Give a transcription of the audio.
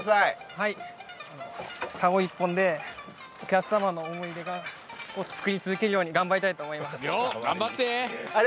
はい、サオ１本でお客様の思い出を作り続けるよう頑張りたいと思います。